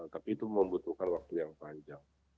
tapi itu membutuhkan waktu yang panjang